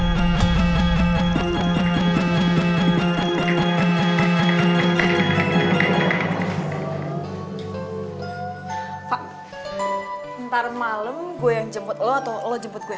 ntar malam gue yang jemput lo atau lo jemput gue